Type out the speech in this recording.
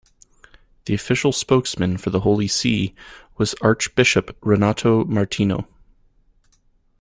The official spokesman for the Holy See was archbishop Renato Martino.